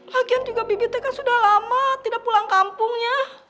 lagian juga bibik teh kan sudah lama tidak pulang kampungnya